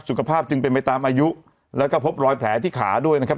สุขภาพจึงเป็นไปตามอายุแล้วก็พบรอยแผลที่ขาด้วยนะครับ